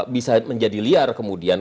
bisa menjadi liar kemudian